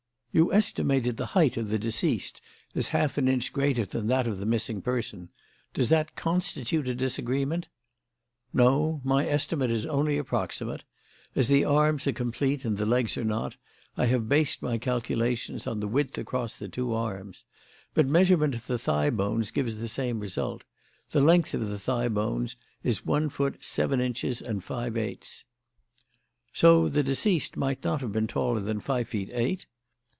"You estimated the height of the deceased as half an inch greater than that of the missing person. Does that constitute a disagreement?" "No; my estimate is only approximate. As the arms are complete and the legs are not, I have based my calculations on the width across the two arms. But measurement of the thigh bones gives the same result. The length of the thigh bones is one foot seven inches and five eighths." "So the deceased might not have been taller than five feet eight?"